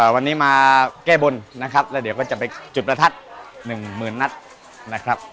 วันนี้มาแก้บนนะครับแล้วเดี๋ยวก็จะไปจุดประทัดหนึ่งหมื่นนัดนะครับ